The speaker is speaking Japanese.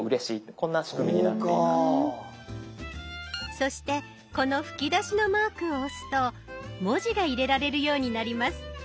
そしてこのふきだしのマークを押すと文字が入れられるようになります。